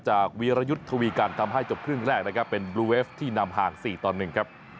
จากเวียระยุทธวีการทำให้จบเครื่องแรกเป็นบลูเวฟที่นำห่าง๔ตอนหนึ่ง